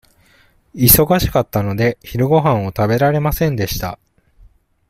忙しかったので、昼ごはんを食べられませんでした。